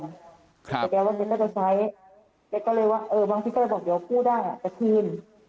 แต่แกว่าแกก็จะใช้แกก็เลยว่าเออบางทีก็เลยบอกเดี๋ยวกู้ได้จะคืน